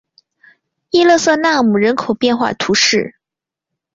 伊勒瑟奈姆人口变化图示